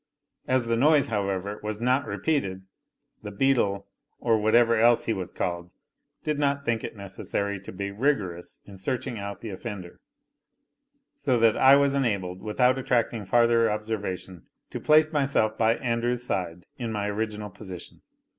As the noise, however, was not repeated, the beadle, or whatever else he was called, did not think it necessary to be rigorous in searching out the offender, so that I was enabled, without attracting farther observation, to place myself by Andrew's side in my original position.